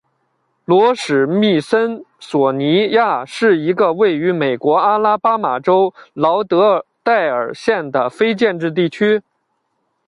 罗史密森索尼亚是一个位于美国阿拉巴马州劳德代尔县的非建制地区。